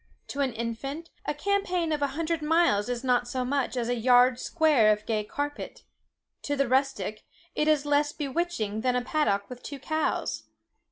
To an infant, a champaign of a hundred miles is not so much as a yard square of gay carpet. To the rustic, it is less bewitching than a paddock with two cows.